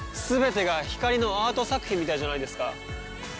全てが光のアート作品みたいじゃないですか。